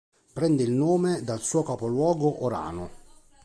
Prende il nome dal suo capoluogo Orano.